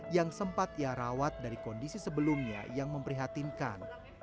yang sempat ia rawat dari kondisi sebelumnya yang memprihatinkan